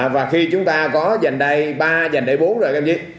và khi chúng ta có dành đại ba dành đại bốn rồi các em biết